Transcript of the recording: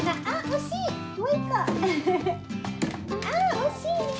あおしい！